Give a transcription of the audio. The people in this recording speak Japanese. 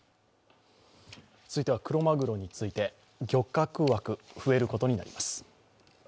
続いてはクロマグロについて、漁獲枠、増えることになります。